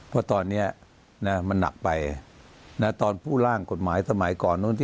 ว่าตอนเนี้ยนะมันนับไปน่ะตอนผู้ร่างกฎหมายสมัยก่อน